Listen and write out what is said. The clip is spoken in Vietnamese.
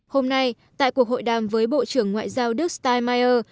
hôm nay tại cuộc hội đàm với bộ trưởng ngoại giao đức steinmeier